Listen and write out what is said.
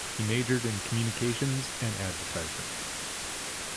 He majored in communications and advertisement.